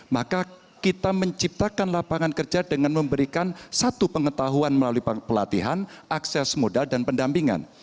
maka kita menciptakan lapangan kerja dengan memberikan satu pengetahuan melalui pelatihan akses modal dan pendampingan